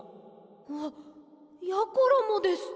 あっやころもです。